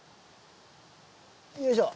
よいしょ。